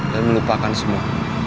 dan melupakan semua